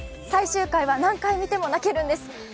最終回は何回見ても泣けるんです！